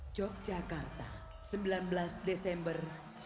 yogyakarta sembilan belas desember seribu sembilan ratus empat puluh